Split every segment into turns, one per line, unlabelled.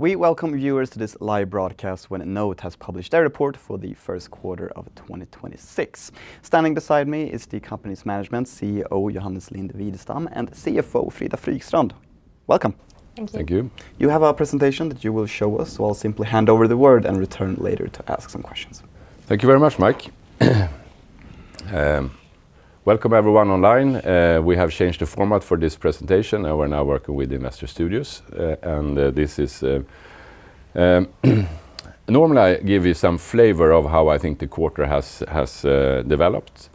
We welcome viewers to this live broadcast when NOTE has published their report for the first quarter of 2026. Standing beside me is the company's management, CEO Johannes Lind-Widestam and CFO Frida Frykstrand. Welcome.
Thank you.
Thank you.
You have a presentation that you will show us, so I'll simply hand over the word and return later to ask some questions.
Thank you very much, Mike. Welcome, everyone online. We have changed the format for this presentation, and we're now working with Investor Studios. Normally, I give you some flavor of how I think the quarter has developed.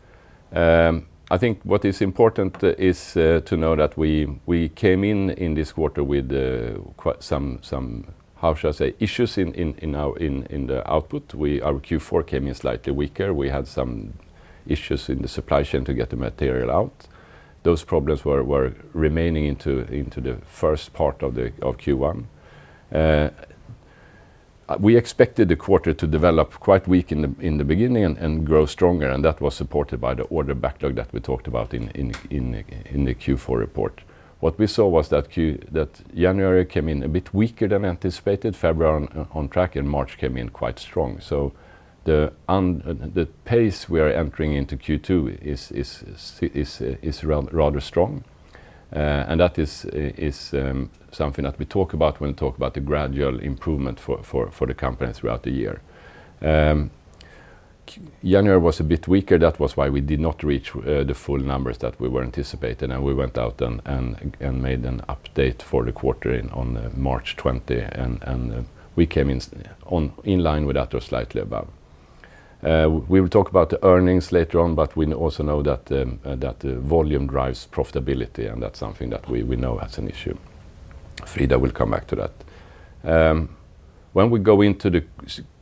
I think what is important is to know that we came in this quarter with quite some, how shall I say, issues in the output. Our Q4 came in slightly weaker. We had some issues in the supply chain to get the material out. Those problems were remaining into the first part of Q1. We expected the quarter to develop quite weak in the beginning and grow stronger, and that was supported by the order backlog that we talked about in the Q4 report. What we saw was that January came in a bit weaker than anticipated, February on track, and March came in quite strong. The pace we are entering into Q2 is rather strong. That is something that we talk about when we talk about the gradual improvement for the company throughout the year. January was a bit weaker. That was why we did not reach the full numbers that we were anticipating, and we went out and made an update for the quarter on March 20, and we came in line with that or slightly above. We will talk about the earnings later on, but we also know that volume drives profitability, and that's something that we know as an issue. Frida will come back to that. When we go into the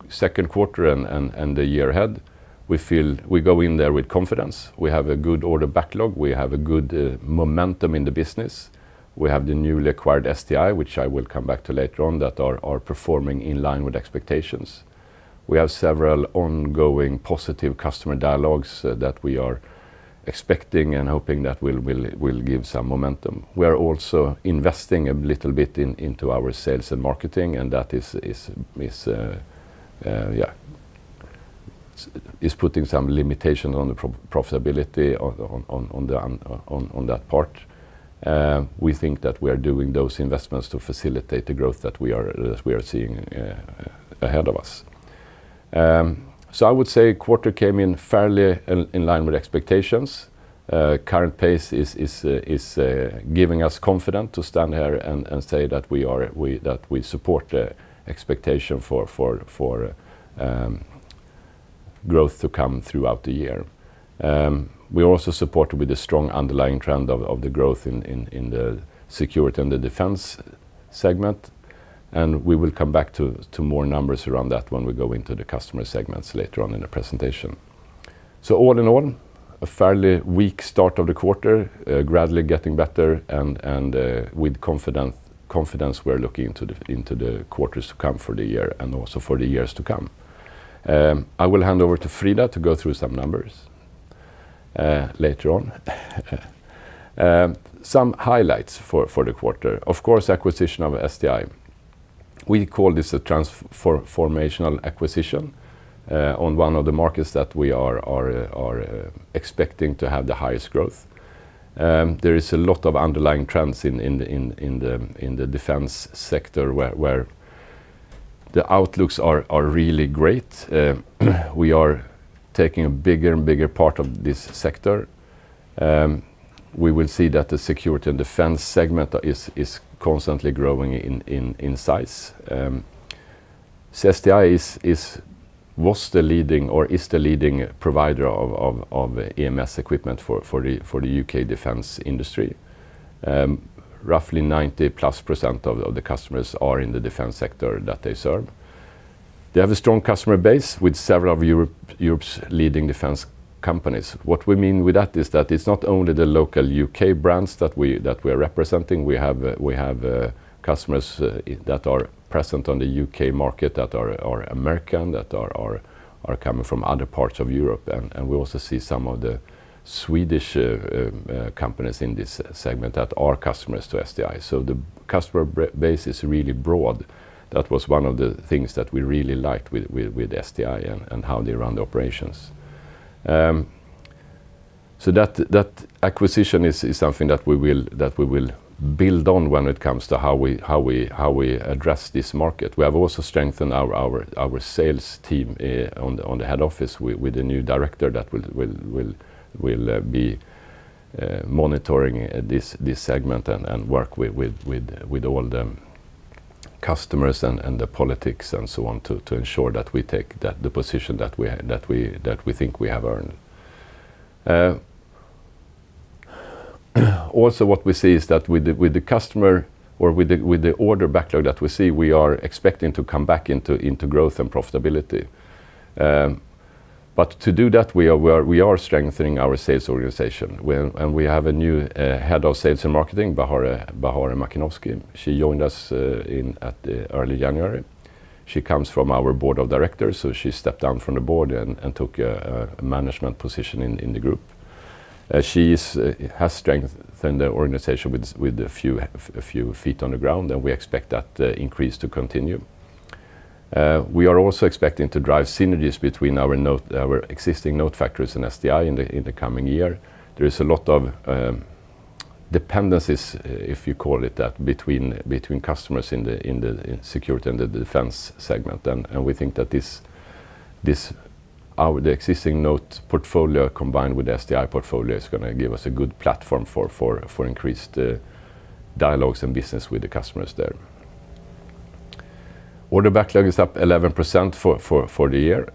second quarter and the year ahead, we go in there with confidence. We have a good order backlog. We have a good momentum in the business. We have the newly acquired STI, which I will come back to later on, that are performing in line with expectations. We have several ongoing positive customer dialogues that we are expecting and hoping that will give some momentum. We are also investing a little bit into our sales and marketing, and that is putting some limitation on the profitability on that part. We think that we are doing those investments to facilitate the growth that we are seeing ahead of us. I would say quarter came in fairly in line with expectations. Current pace is giving us confidence to stand here and say that we support the expectation for growth to come throughout the year. We are also supported with the strong underlying trend of the growth in the security and the defense segment, and we will come back to more numbers around that when we go into the customer segments later on in the presentation. All in all, a fairly weak start of the quarter, gradually getting better, and with confidence we're looking into the quarters to come for the year and also for the years to come. I will hand over to Frida to go through some numbers later on. Some highlights for the quarter, of course, acquisition of STI. We call this a transformational acquisition on one of the markets that we are expecting to have the highest growth. There is a lot of underlying trends in the defense sector where the outlooks are really great. We are taking a bigger and bigger part of this sector. We will see that the security and defense segment is constantly growing in size. STI is the leading provider of EMS equipment for the U.K. defense industry. Roughly 90%+ of the customers are in the defense sector that they serve. They have a strong customer base with several of Europe's leading defense companies. What we mean with that is that it's not only the local U.K. brands that we are representing. We have customers that are present on the U.K. market that are American, that are coming from other parts of Europe, and we also see some of the Swedish companies in this segment that are customers to STI. The customer base is really broad. That was one of the things that we really liked with STI and how they run the operations. That acquisition is something that we will build on when it comes to how we address this market. We have also strengthened our sales team on the head office with a new director that will be monitoring this segment and work with all the customers and the politics and so on to ensure that we take the position that we think we have earned. Also what we see is that with the customer or with the order backlog that we see, we are expecting to come back into growth and profitability. To do that, we are strengthening our sales organization. We have a new Head of Sales and Marketing, Bahareh Madani. She joined us in early January. She comes from our board of directors, so she stepped down from the board and took a management position in the group. She has strengthened the organization with a few feet on the ground, and we expect that increase to continue. We are also expecting to drive synergies between our existing NOTE factories and STI in the coming year. There is a lot of dependencies, if you call it that, between customers in the security and the defense segment. We think that the existing NOTE portfolio combined with the STI portfolio is going to give us a good platform for increased dialogues and business with the customers there. Order backlog is up 11% for the year.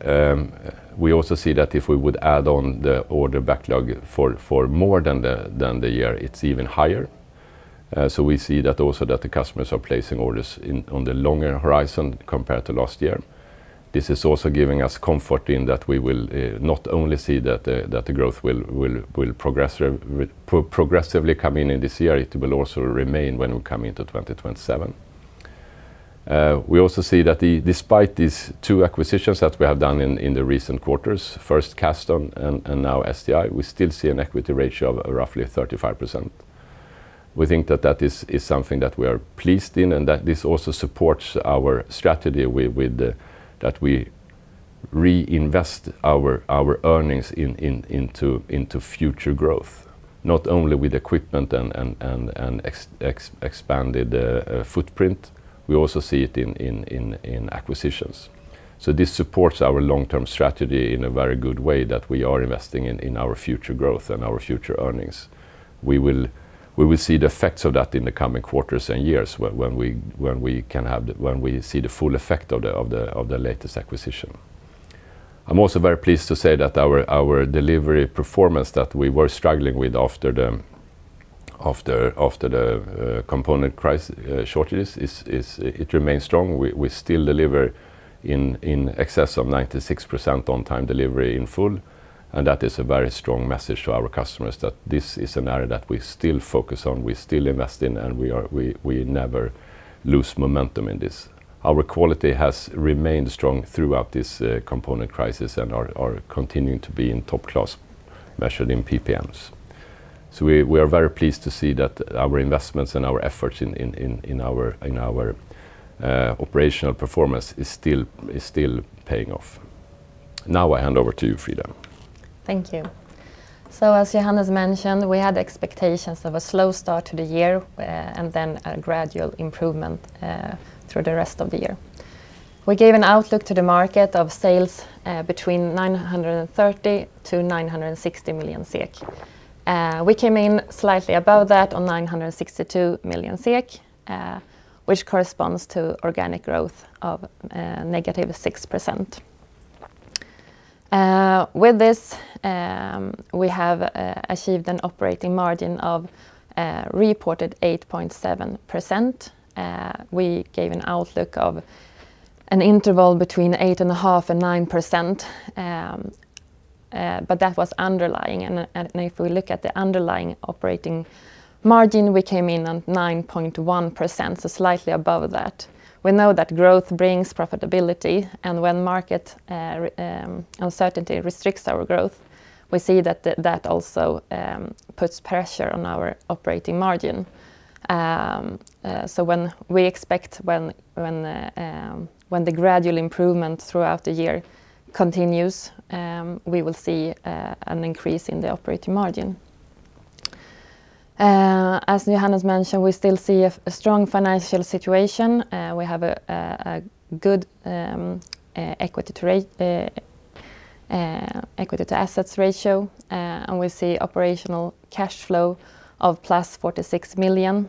We also see that if we would add on the order backlog for more than the year, it's even higher. We see that also that the customers are placing orders on the longer horizon compared to last year. This is also giving us comfort in that we will not only see that the growth will progressively come in this year, it will also remain when we come into 2027. We also see that despite these two acquisitions that we have done in the recent quarters, first Kasdon and now STI, we still see an equity ratio of roughly 35%. We think that is something that we are pleased in and that this also supports our strategy that we reinvest our earnings into future growth, not only with equipment and expanded footprint. We also see it in acquisitions. This supports our long-term strategy in a very good way that we are investing in our future growth and our future earnings. We will see the effects of that in the coming quarters and years when we see the full effect of the latest acquisition. I'm also very pleased to say that our delivery performance that we were struggling with after the component crisis shortages, it remains strong. We still deliver in excess of 96% on-time delivery in full. That is a very strong message to our customers that this is an area that we still focus on, we still invest in, and we never lose momentum in this. Our quality has remained strong throughout this component crisis and are continuing to be in top class, measured in PPMs. We are very pleased to see that our investments and our efforts in our operational performance is still paying off. Now I hand over to you, Frida.
Thank you. As Johannes mentioned, we had expectations of a slow start to the year, and then a gradual improvement through the rest of the year. We gave an outlook to the market of sales between 930 million-960 million SEK. We came in slightly above that on 962 million SEK, which corresponds to organic growth of -6%. With this, we have achieved an operating margin of reported 8.7%. We gave an outlook of an interval between 8.5%-9%, but that was underlying. If we look at the underlying operating margin, we came in on 9.1%, so slightly above that. We know that growth brings profitability. When market uncertainty restricts our growth, we see that that also puts pressure on our operating margin. We expect when the gradual improvement throughout the year continues, we will see an increase in the operating margin. As Johannes mentioned, we still see a strong financial situation. We have a good equity to assets ratio, and we see operational cash flow of +46 million.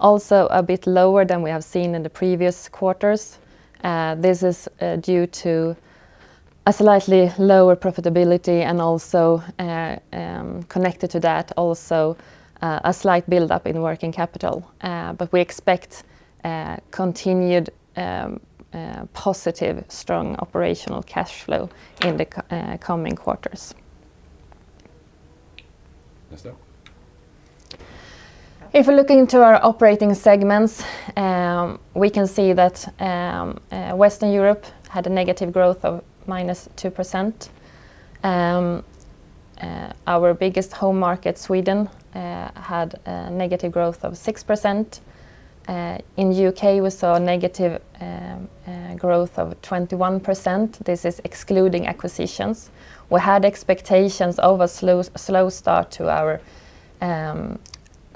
Also a bit lower than we have seen in the previous quarters. This is due to a slightly lower profitability and also, connected to that, also a slight buildup in working capital. We expect continued positive, strong operational cash flow in the coming quarters. Esther. If we look into our operating segments, we can see that Western Europe had a negative growth of -2%. Our biggest home market, Sweden, had a negative growth of 6%. In the U.K., we saw a negative growth of 21%. This is excluding acquisitions. We had expectations of a slow start to our,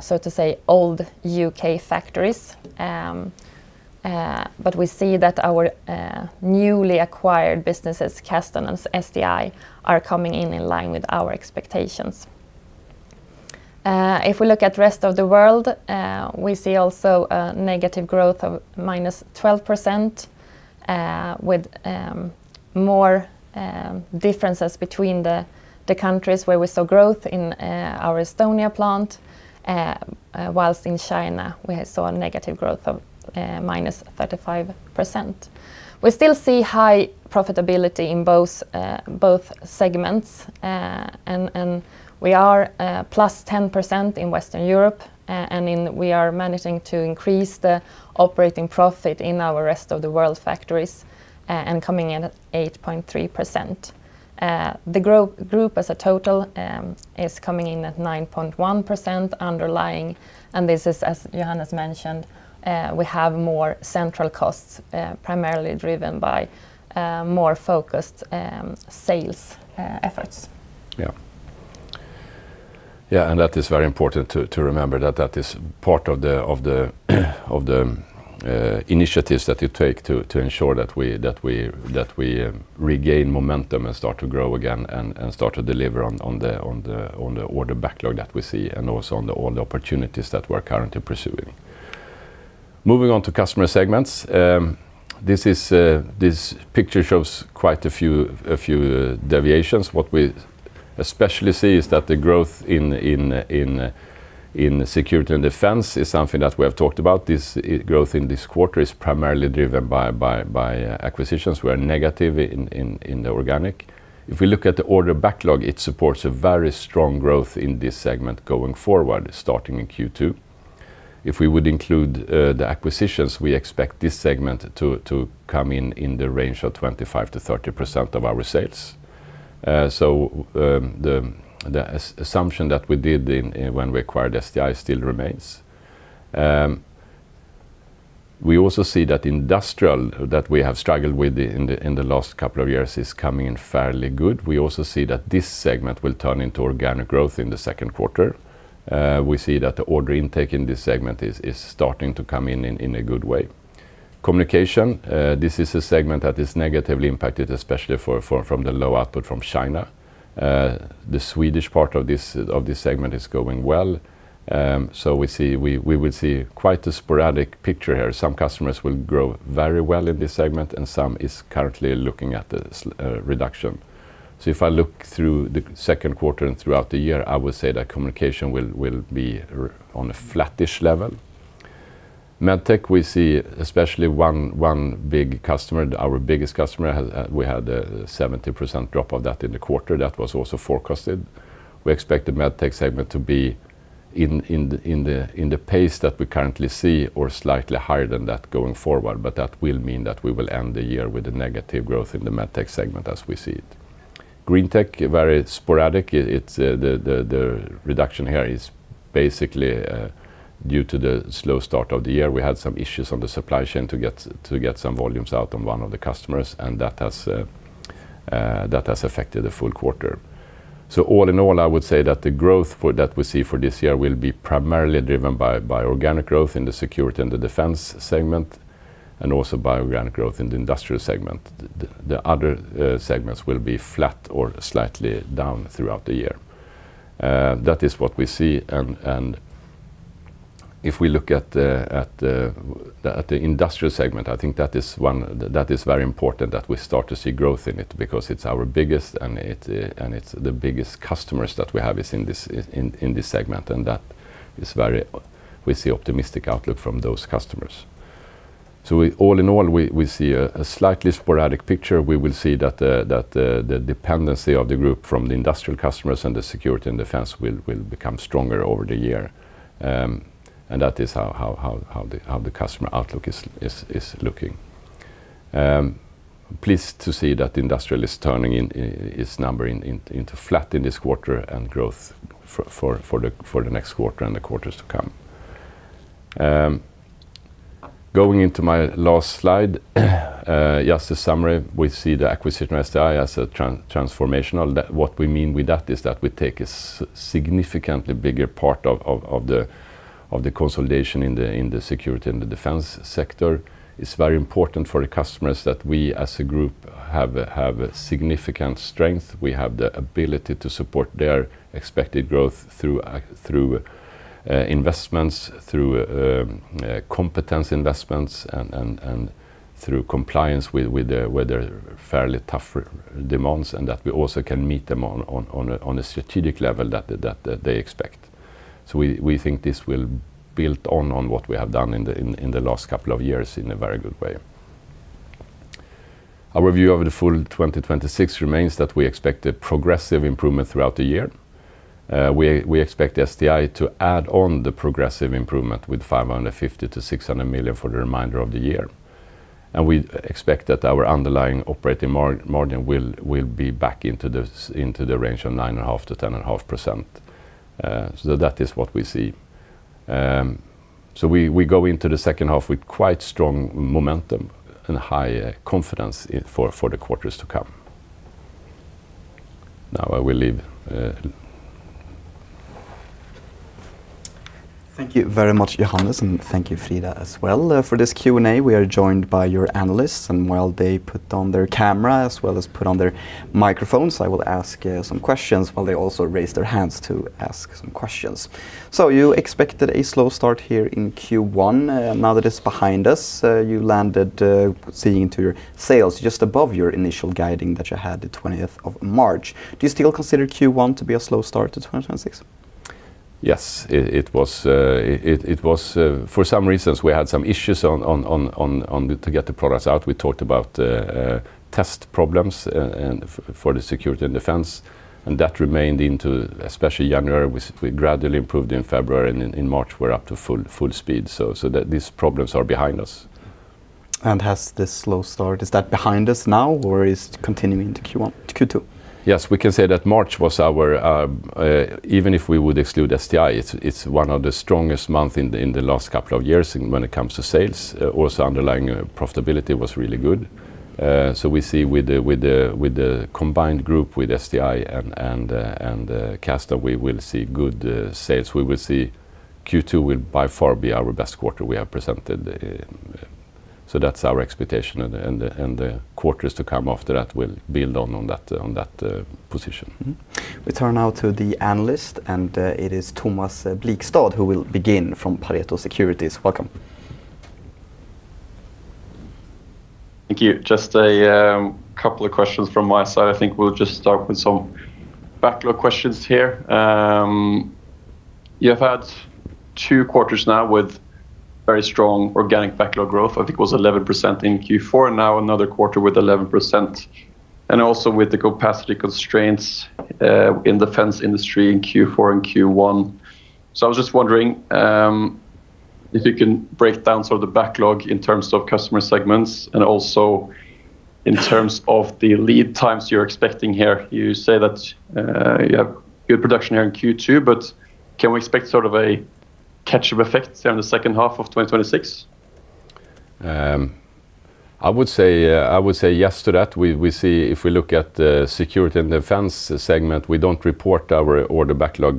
so to say, old U.K. factories. We see that our newly acquired businesses, Kasdon and STI, are coming in line with our expectations. If we look at the rest of the world, we see also a negative growth of -12%, with more differences between the countries where we saw growth in our Estonia plant, while in China, we saw a negative growth of. We still see high profitability in both segments, and we are +10% in Western Europe. We are managing to increase the operating profit in our rest-of-the-world factories and coming in at 8.3%. The group as a total is coming in at 9.1% underlying, and this is, as Johannes mentioned, we have more central costs, primarily driven by more focused sales efforts.
Yeah. That is very important to remember that that is part of the initiatives that you take to ensure that we regain momentum and start to grow again and start to deliver on the order backlog that we see and also on all the opportunities that we're currently pursuing. Moving on to customer segments. This picture shows quite a few deviations. What we especially see is that the growth in security and defense is something that we have talked about. This growth in this quarter is primarily driven by acquisitions. We are negative in the organic. If we look at the order backlog, it supports a very strong growth in this segment going forward, starting in Q2. If we would include the acquisitions, we expect this segment to come in in the range of 25%-30% of our sales. The assumption that we did when we acquired STI still remains. We also see that industrial, that we have struggled with in the last couple of years, is coming in fairly good. We also see that this segment will turn into organic growth in the second quarter. We see that the order intake in this segment is starting to come in in a good way. Communication, this is a segment that is negatively impacted, especially from the low output from China. The Swedish part of this segment is going well. We will see quite a sporadic picture here. Some customers will grow very well in this segment and some is currently looking at a reduction. If I look through the second quarter and throughout the year, I would say that communication will be on a flattish level. MedTech, we see especially one big customer, our biggest customer. We had a 17% drop of that in the quarter. That was also forecasted. We expect the MedTech segment to be in the pace that we currently see or slightly higher than that going forward. That will mean that we will end the year with a negative growth in the MedTech segment as we see it. GreenTech, very sporadic. The reduction here is basically due to the slow start of the year. We had some issues on the supply chain to get some volumes out on one of the customers, and that has affected the full quarter. All in all, I would say that the growth that we see for this year will be primarily driven by organic growth in the security and the defense segment, and also by organic growth in the industrial segment. The other segments will be flat or slightly down throughout the year. That is what we see, and if we look at the Industrial segment, I think that is very important that we start to see growth in it, because it's our biggest, and the biggest customers that we have is in this segment, and we see optimistic outlook from those customers. All in all, we see a slightly sporadic picture. We will see that the dependency of the group on the Industrial customers and the Security and Defense will become stronger over the year. That is how the customer outlook is looking. Pleased to see that Industrial is turning its number into flat in this quarter and growth for the next quarter and the quarters to come. Going into my last slide. Just a summary, we see the acquisition of STI as transformational. What we mean with that is that we take a significantly bigger part of the consolidation in the security and the defense sector. It's very important for the customers that we, as a group, have significant strength. We have the ability to support their expected growth through investments, through competence investments, and through compliance with their fairly tough demands, and that we also can meet them on a strategic level that they expect. We think this will build on what we have done in the last couple of years in a very good way. Our view of the full 2026 remains that we expect a progressive improvement throughout the year. We expect STI to add on the progressive improvement with 550 million-600 million for the remainder of the year. We expect that our underlying operating margin will be back into the range of 9.5%-10.5%. That is what we see. We go into the second half with quite strong momentum and high confidence for the quarters to come. Now I will leave
Thank you very much, Johannes, and thank you, Frida, as well. For this Q&A, we are joined by your analysts, and while they put on their camera as well as put on their microphones, I will ask some questions while they also raise their hands to ask some questions. You expected a slow start here in Q1. Now that it's behind us, you landed, seeing into your sales, just above your initial guidance that you had the 20th of March. Do you still consider Q1 to be a slow start to 2026?
Yes. For some reasons, we had some issues to get the products out. We talked about test problems for the security and defense, and that remained into especially January. We gradually improved in February, and in March we're up to full speed. These problems are behind us.
Has this slow start, is that behind us now? Or is it continuing to Q2?
Yes. We can say that March, even if we would exclude STI, it's one of the strongest month in the last couple of years when it comes to sales. Also underlying profitability was really good. With the combined group with STI and Kasdon, we will see good sales. We will see Q2 will by far be our best quarter we have presented. That's our expectation, and the quarters to come after that will build on that position.
We turn now to the analyst, and it is Thomas Blikstad who will begin from Pareto Securities. Welcome.
Thank you. Just a couple of questions from my side. I think we'll just start with some backlog questions here. You have had two quarters now with very strong organic backlog growth, I think it was 11% in Q4, and now another quarter with 11%. Also with the capacity constraints in defense industry in Q4 and Q1. I was just wondering if you can break down some of the backlog in terms of customer segments and also in terms of the lead times you're expecting here. You say that you have good production here in Q2, but can we expect a catch-up effect here in the second half of 2026?
I would say yes to that. If we look at the security and defense segment, we don't report our order backlog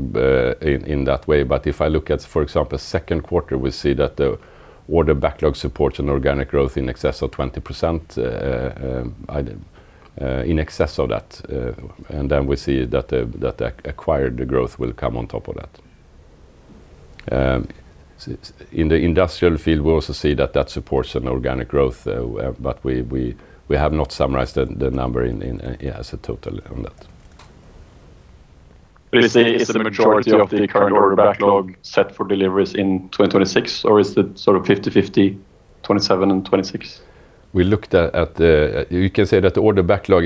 in that way. If I look at, for example, second quarter, we see that the order backlog supports an organic growth in excess of 20%, in excess of that. Then we see that acquired growth will come on top of that. In the industrial field, we also see that that supports an organic growth, but we have not summarized the number as a total on that.
Is the majority of the current order backlog set for deliveries in 2026 or is it 50/50, 2027 and 2026?
You can say that the order backlog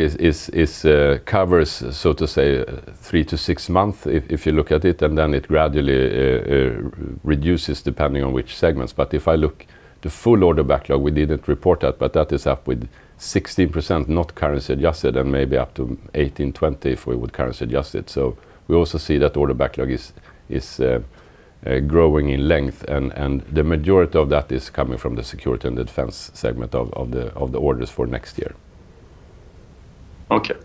covers, so to say, 3-6 months if you look at it, and then it gradually reduces depending on which segments. If I look at the full order backlog, we didn't report that, but that is up by 16%, not currency adjusted, and maybe up to 18-20 if we would currency adjust it. We also see that order backlog is growing in length, and the majority of that is coming from the security and defense segment of the orders for next year.
Okay,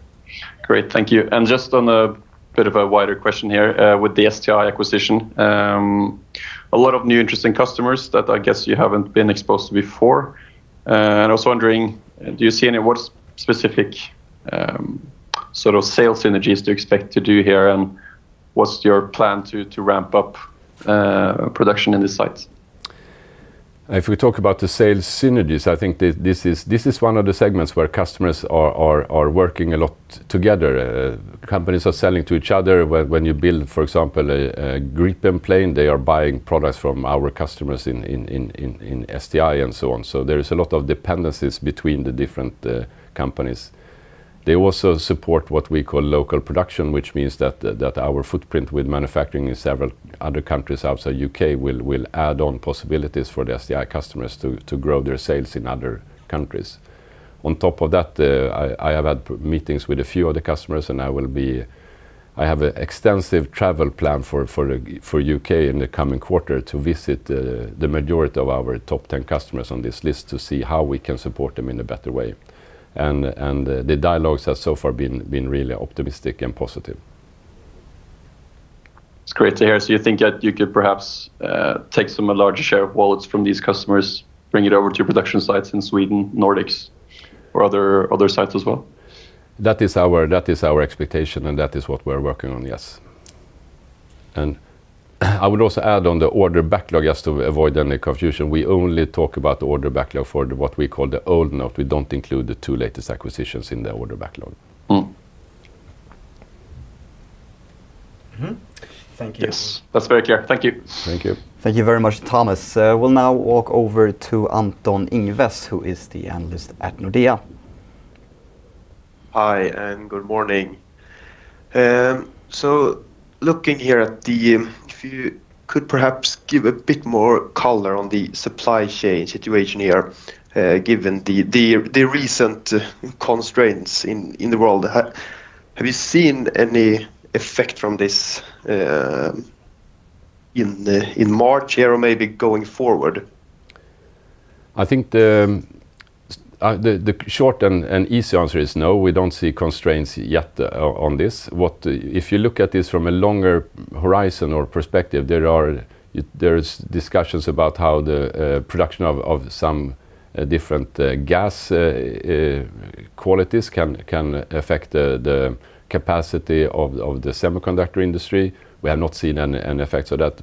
great. Thank you. Just on a bit of a wider question here, with the STI acquisition, a lot of new interesting customers that I guess you haven't been exposed to before. I was wondering, what specific sales synergies do you expect to do here, and what's your plan to ramp up production in the sites?
If we talk about the sales synergies, I think this is one of the segments where customers are working a lot together. Companies are selling to each other. When you build, for example, a Gripen plane, they are buying products from our customers in STI and so on. There is a lot of dependencies between the different companies. They also support what we call local production, which means that our footprint with manufacturing in several other countries outside U.K. will add on possibilities for the STI customers to grow their sales in other countries. On top of that, I have had meetings with a few of the customers, and I have an extensive travel plan for U.K. in the coming quarter to visit the majority of our top 10 customers on this list to see how we can support them in a better way. The dialogues have so far been really optimistic and positive.
That's great to hear. You think that you could perhaps take some larger share of wallets from these customers, bring it over to your production sites in Sweden, Nordics or other sites as well?
That is our expectation, and that is what we're working on, yes. I would also add on the order backlog, just to avoid any confusion, we only talk about the order backlog for what we call the old NOTE. We don't include the two latest acquisitions in the order backlog.
Thank you. Yes. That's very clear.
Thank you.
Thank you.
Thank you very much, Thomas. We'll now walk over to Anton Ingves, who is the analyst at Nordea.
Hi, and good morning. If you could perhaps give a bit more color on the supply chain situation here, given the recent constraints in the world. Have you seen any effect from this in March here or maybe going forward?
I think the short and easy answer is no, we don't see constraints yet on this. If you look at this from a longer horizon or perspective, there is discussions about how the production of some different gas qualities can affect the capacity of the semiconductor industry. We have not seen any effects of that.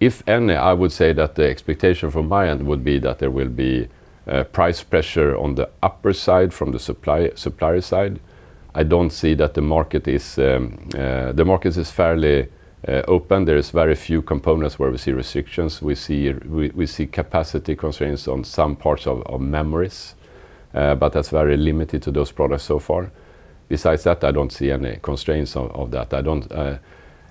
If any, I would say that the expectation from my end would be that there will be price pressure on the upper side from the supplier side. The market is fairly open. There's very few components where we see restrictions. We see capacity constraints on some parts of memories, but that's very limited to those products so far. Besides that, I don't see any constraints of that.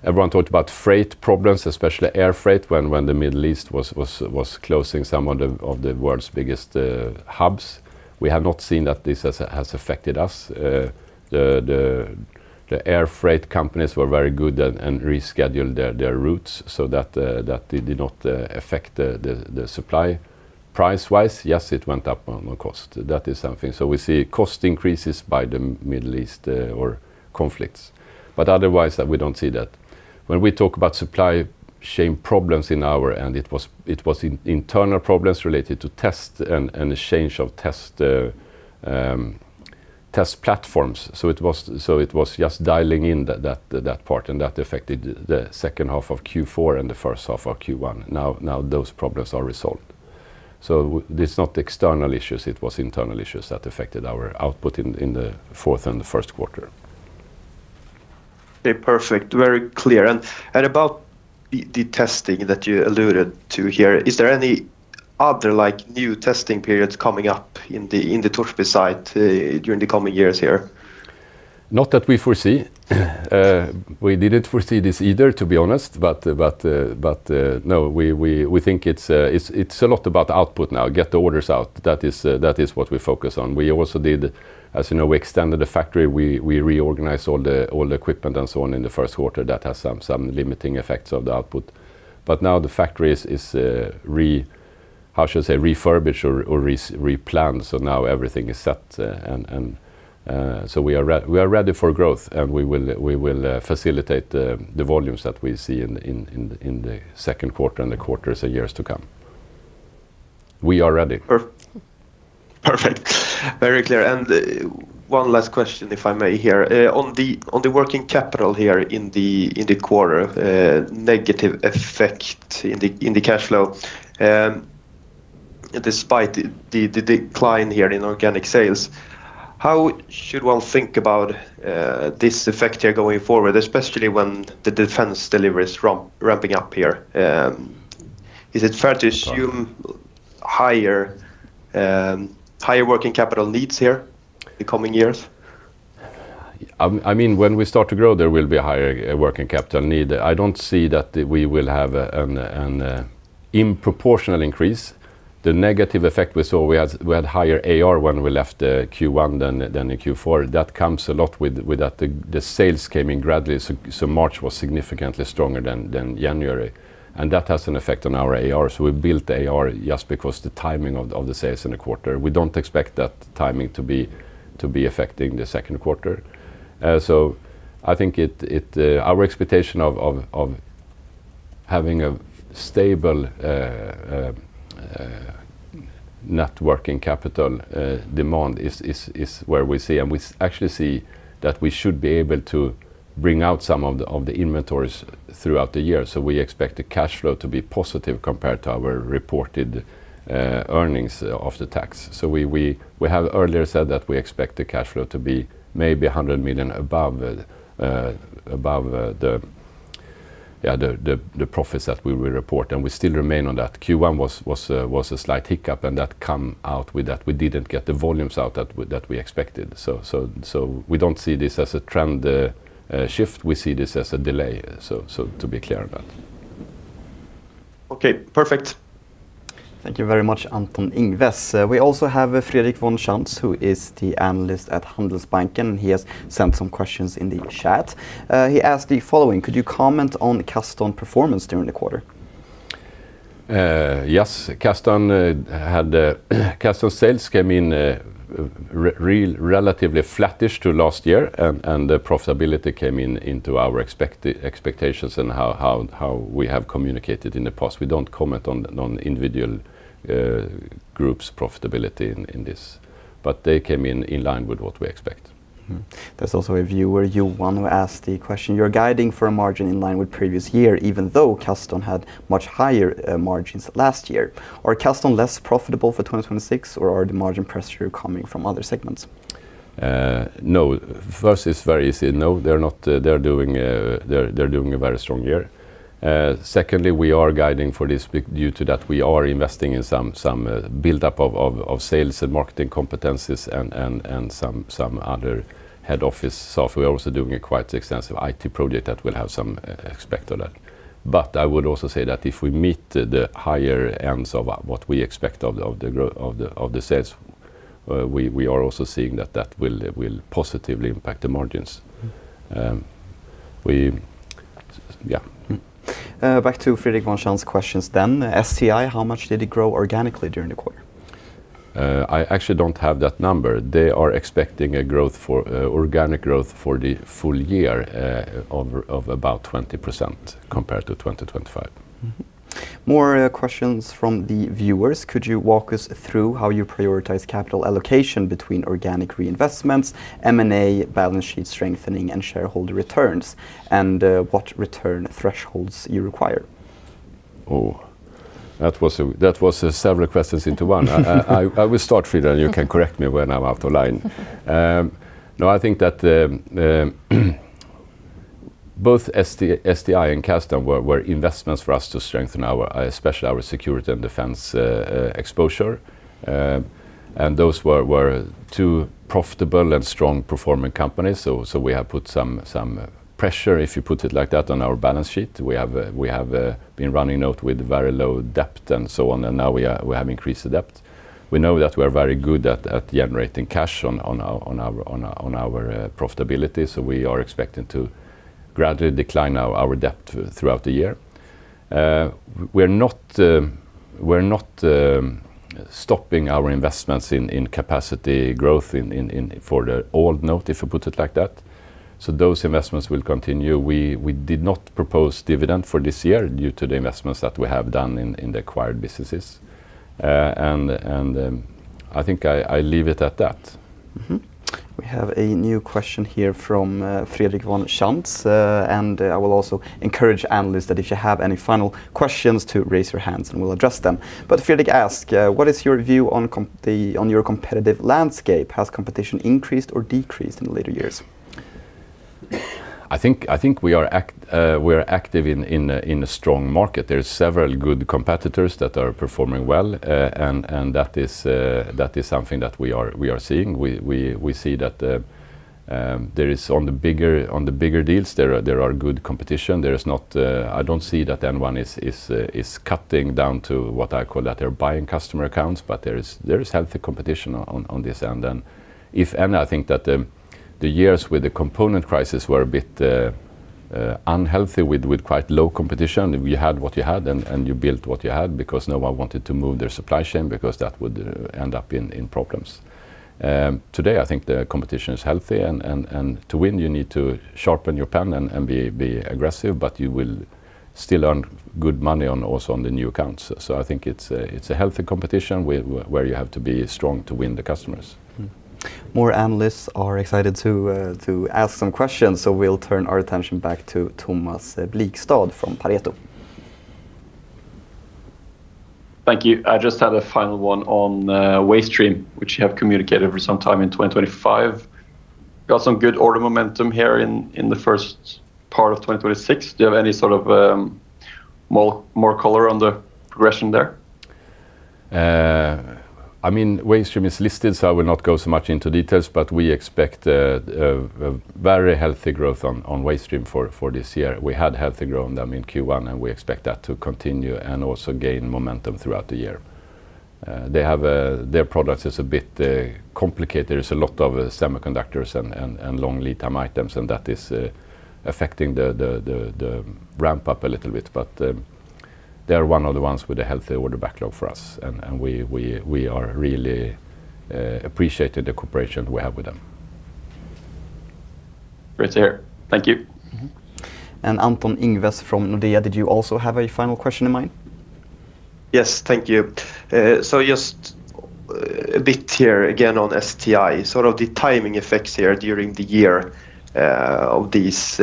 Everyone talked about freight problems, especially air freight, when the Middle East was closing some of the world's biggest hubs. We have not seen that this has affected us. The air freight companies were very good and rescheduled their routes so that did not affect the supply. Price-wise, yes, it went up on cost. That is something. We see cost increases by the Middle East or conflicts, but otherwise, we don't see that. When we talk about supply chain problems in our end, it was internal problems related to test and the change of test platforms. It was just dialing in that part, and that affected the second half of Q4 and the first half of Q1. Now those problems are resolved. It's not external issues, it was internal issues that affected our output in the fourth and the first quarter.
Okay, perfect. Very clear. About the testing that you alluded to here, is there any other new testing periods coming up in the Torsby site during the coming years here?
Not that we foresee. We didn't foresee this either, to be honest. No, we think it's a lot about output now. Get the orders out. That is what we focus on. We also did, as you know, we extended the factory. We reorganized all the equipment and so on in the first quarter. That has some limiting effects of the output. Now the factory is, how should I say, refurbished or replanned. Now everything is set. We are ready for growth, and we will facilitate the volumes that we see in the second quarter and the quarters and years to come. We are ready.
Perfect. Very clear. One last question, if I may here. On the working capital here in the quarter, negative effect in the cash flow, despite the decline here in organic sales. How should one think about this effect here going forward, especially when the defense deliveries ramping up here? Is it fair to assume higher working capital needs here the coming years?
When we start to grow, there will be a higher working capital need. I don't see that we will have a disproportionate increase. The negative effect we saw, we had higher AR when we left the Q1 than the Q4. That comes a lot with that the sales came in gradually, so March was significantly stronger than January. That has an effect on our AR. We built the AR just because the timing of the sales in the quarter. We don't expect that timing to be affecting the second quarter. I think our expectation of having a stable net working capital demand is where we see. We actually see that we should be able to bring out some of the inventories throughout the year. We expect the cash flow to be positive compared to our reported earnings after tax. We have earlier said that we expect the cash flow to be maybe 100 million above the profits that we will report, and we still remain on that. Q1 was a slight hiccup, and that came out with that we didn't get the volumes out that we expected. We don't see this as a trend shift. We see this as a delay. To be clear on that.
Okay, perfect.
Thank you very much, Anton Ingves. We also have Fredrik von Schantz, who is the analyst at Handelsbanken. He has sent some questions in the chat. He asked the following: Could you comment on the Kasdon performance during the quarter?
Yes. Kasdon sales came in relatively flattish to last year, and the profitability came into our expectations and how we have communicated in the past. We don't comment on individual groups' profitability in this, but they came in line with what we expect.
There's also a viewer, Johan, who asked the question: You're guiding for a margin in line with previous year, even though Kasdon had much higher margins last year. Are Kasdon less profitable for 2026, or are the margin pressure coming from other segments?
No. First, it's very easy. No, they're doing a very strong year. Secondly, we are guiding for this due to that we are investing in some buildup of sales and marketing competencies and some other head office software, also doing a quite extensive IT project that will have some aspect of that. I would also say that if we meet the higher ends of what we expect of the sales, we are also seeing that that will positively impact the margins.
Back to Fredrik von Schantz's questions then. STI, how much did it grow organically during the quarter?
I actually don't have that number. They are expecting organic growth for the full year of about 20% compared to 2025.
More questions from the viewers. Could you walk us through how you prioritize capital allocation between organic reinvestments, M&A, balance sheet strengthening, and shareholder returns? What return thresholds you require?
Oh. That was several questions into one. I will start, Frida, and you can correct me when I'm out of line. I think that both STI and Castor were investments for us to strengthen especially our security and defense exposure. Those were two profitable and strong performing companies. We have put some pressure, if you put it like that, on our balance sheet. We have been running NOTE with very low debt and so on, and now we have increased the debt. We know that we're very good at generating cash on our profitability, so we are expecting to gradually decline our debt throughout the year. We're not stopping our investments in capacity growth for the old NOTE, if I put it like that. Those investments will continue. We did not propose dividend for this year due to the investments that we have done in the acquired businesses. I think I leave it at that.
We have a new question here from Fredrik von Schantz. I will also encourage analysts that if you have any final questions to raise your hands and we'll address them. Fredrik asks, "What is your view on your competitive landscape? Has competition increased or decreased in later years?
I think we're active in a strong market. There's several good competitors that are performing well, and that is something that we are seeing. We see that on the bigger deals, there are good competition. I don't see that anyone is cutting down to what I call they're buying customer accounts, but there is healthy competition on this end then. If any, I think that the years with the component crisis were a bit unhealthy with quite low competition. You had what you had, and you built what you had because no one wanted to move their supply chain because that would end up in problems. Today, I think the competition is healthy and to win, you need to sharpen your pen and be aggressive, but you will still earn good money also on the new accounts. I think it's a healthy competition where you have to be strong to win the customers.
More analysts are excited to ask some questions, so we'll turn our attention back to Thomas Blikstad from Pareto.
Thank you. I just had a final one on Waystream, which you have communicated for some time in 2025. You got some good order momentum here in the first part of 2026. Do you have any sort of more color on the progression there?
Waystream is listed, so I will not go so much into details, but we expect a very healthy growth on Waystream for this year. We had healthy growth in Q1, and we expect that to continue and also gain momentum throughout the year. Their product is a bit complicated. There's a lot of semiconductors and long lead time items, and that is affecting the ramp-up a little bit, but they're one of the ones with a healthy order backlog for us. We are really appreciating the cooperation we have with them.
Great to hear. Thank you.
Anton Ingves from Nordea, did you also have a final question in mind?
Yes, thank you. Just a bit here again on STI, sort of the timing effects here during the year of these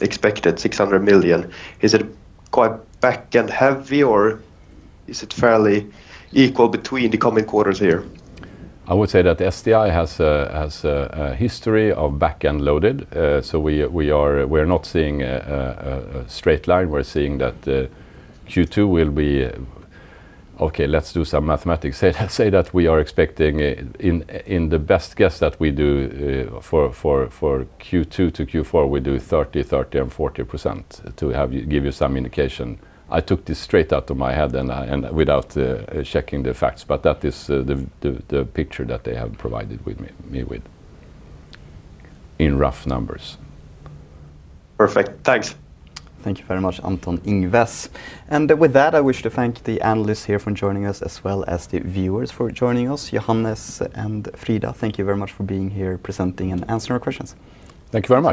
expected 600 million. Is it quite back end heavy, or is it fairly equal between the coming quarters here?
I would say that STI has a history of back-end loaded. We're not seeing a straight line. We're seeing that Q2 will be. Okay, let's do some mathematics. Say that we are expecting in the best guess that we do for Q2 to Q4, we do 30%, 30%, and 40% to give you some indication. I took this straight out of my head and without checking the facts, but that is the picture that they have provided me with in rough numbers.
Perfect. Thanks.
Thank you very much, Anton Ingves. With that, I wish to thank the analysts here for joining us as well as the viewers for joining us. Johannes and Frida, thank you very much for being here presenting and answering our questions.
Thank you very much.